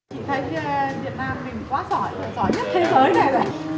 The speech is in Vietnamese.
chị thấy việt nam mình quá giỏi giỏi nhất thế giới này rồi